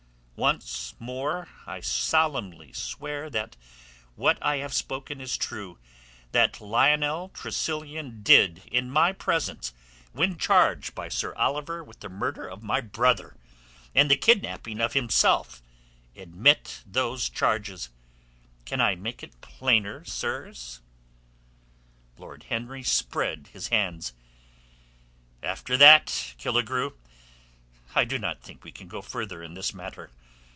"Once more I solemnly swear that what I have spoken is true; that Lionel Tressilian did in my presence, when charged by Sir Oliver with the murder of my brother and the kidnapping of himself, admit those charges. Can I make it any plainer, sirs?" Lord Henry spread his hands. "After that, Killigrew, I do not think we can go further in this matter.